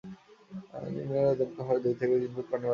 নিম্নচাপের প্রভাবে দমকা হাওয়াসহ দুই থেকে তিন ফুট পানি বাড়তে পারে।